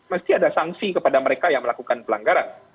mesti ada sanksi kepada mereka yang melakukan pelanggaran